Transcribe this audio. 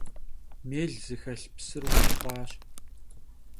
Mêl zıxelh psır vutxhuaş.